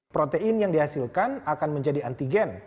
protein yang dihasilkan akan menjadi antigen